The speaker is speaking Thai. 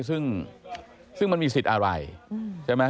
ซึ่งซึ่งมันมีสิทธิ์อะไรใช่ไหม